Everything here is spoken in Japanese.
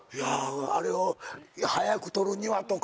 あれを速く取るにはとか。